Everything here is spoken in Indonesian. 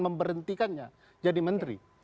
memberhentikannya jadi menteri